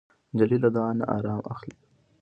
نجلۍ له دعا نه ارام اخلي.